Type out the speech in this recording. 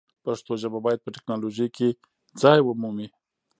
پښتو ژبه باید په ټکنالوژۍ کې ځای ومومي.